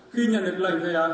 khi nhận được lời về